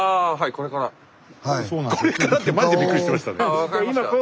「これから？」ってマジでビックリしてましたね。